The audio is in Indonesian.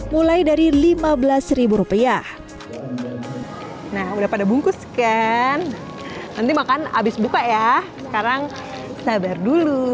mulai dari lima belas rupiah nah udah pada bungkus kan nanti makan habis buka ya sekarang sabar dulu